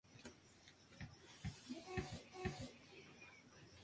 En el siglo se convirtió en un obispado latino.